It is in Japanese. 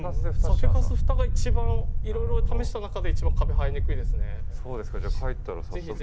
酒かすフタが一番いろいろ試した中では一番カビ生えにくいですね。